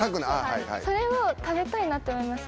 それを食べたいなって思いました。